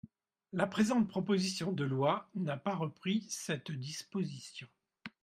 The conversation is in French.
La présente proposition de loi n’a pas repris cette disposition.